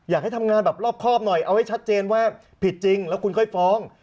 อยากให้ทำงานแบบรอบครอบหน่อยเอาให้ชัดเจนว่าผิดจริงแล้วคุณค่อยฟ้อง